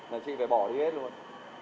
là chị phải bỏ đi hết luôn